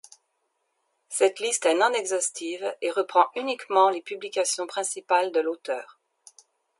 Cette liste est non exhaustive et reprend uniquement les publications principales de l'auteur.